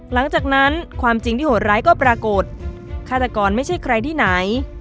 หลังจากนั้นความจริงที่โหดร้ายก็ปรากฏฆาตกรไม่ใช่ใครที่ไหน